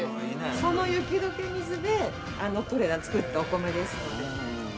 その雪解け水で作ったお米ですので。